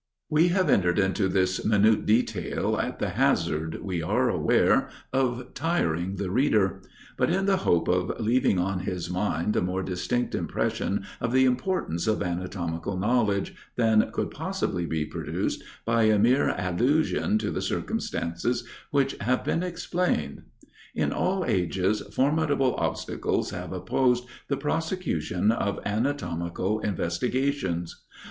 We have entered into this minute detail at the hazard, we are aware, of tiring the reader; but in the hope of leaving on his mind a more distinct impression of the importance of anatomical knowledge, than could possibly be produced by a mere allusion to the circumstances which have been explained. In all ages, formidable obstacles have opposed the prosecution of anatomical investigations.